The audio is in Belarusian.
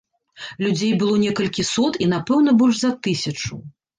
Людзей было некалькі сот, і напэўна больш за тысячу.